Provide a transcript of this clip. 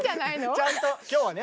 ちゃんと今日はね